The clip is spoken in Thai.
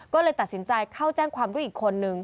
ก็เลยตัดสินใจเข้าแจ้งความด้วยอีกคนนึง